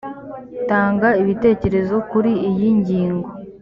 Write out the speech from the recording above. tanga ibitekerezo kuri iyi ngingo